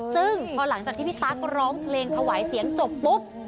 ซึ่งพอหลังจากที่พี่ตั๊กร้องเพลงถวายเสียงจบปุ๊บ